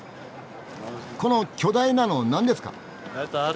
この巨大なの何ですか？